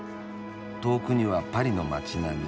遠くにはパリの街並み。